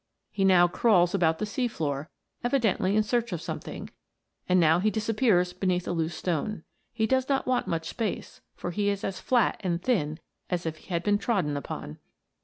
He now crawls about the sea floor, evidently in search ofsomething, and now he disappears beneath a loose stohe. He does not want much space, for he is as flat and thin as if he had been trodden upon.